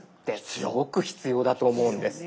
すごく必要だと思うんです。